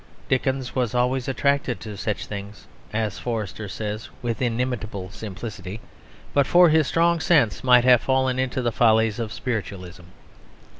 Dickens was always attracted to such things, and (as Forster says with inimitable simplicity) "but for his strong sense might have fallen into the follies of spiritualism."